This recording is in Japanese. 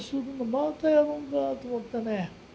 またやるんだと思ってね。